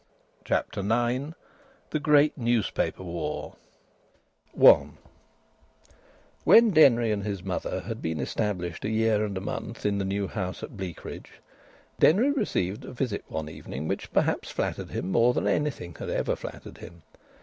CHAPTER IX THE GREAT NEWSPAPER WAR I When Denry and his mother had been established a year and a month in the new house at Bleakridge, Denry received a visit one evening which perhaps flattered him more than anything had ever flattered him.